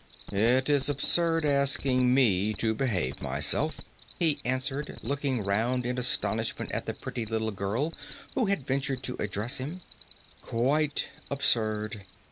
"It is absurd asking me to behave myself," he answered, looking round in astonishment at the pretty little girl who had ventured to address him, "quite absurd.